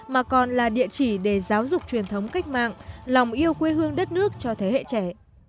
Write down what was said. mà còn là địa chỉ để giáo dục truyền thống cách mạng lòng yêu quê hương đất nước cho thế hệ trẻ